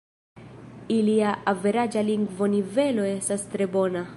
Ilia averaĝa lingvonivelo estas tre bona.